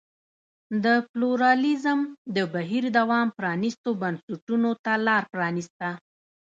د پلورالېزم د بهیر دوام پرانیستو بنسټونو ته لار پرانېسته.